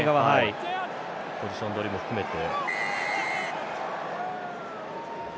ポジション取りも含めて。